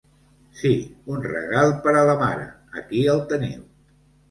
Sí, un regal per a la mare, aquí el teniu!